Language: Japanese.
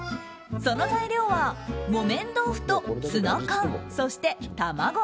その材料は木綿豆腐とツナ缶そして卵。